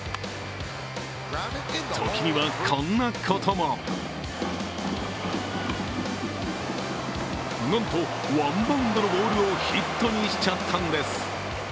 時にはこんなこともなんとワンバウンドのボールをヒットにしちゃったんです。